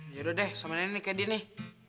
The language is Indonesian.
yaudah deh sama neni nih kayak dia nih